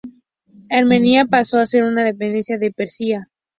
Armenia pasó a ser una dependencia de Persia.